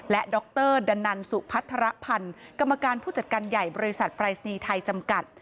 และดรดันนันสุพัฒระพันธ์กรรมการผู้จัดการใหญ่บริษัทปรายศนีย์ไทยจำกัด